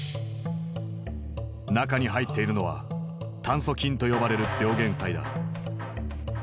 中に入っているのは炭疽菌と呼ばれる病原体だ。